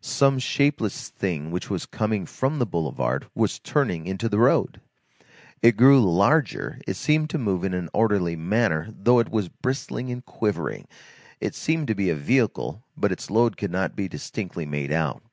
Some shapeless thing which was coming from the boulevard was turning into the road. It grew larger, it seemed to move in an orderly manner, though it was bristling and quivering; it seemed to be a vehicle, but its load could not be distinctly made out.